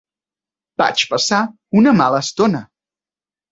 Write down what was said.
Vaig passar una mala estona.